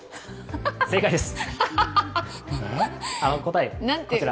正解です。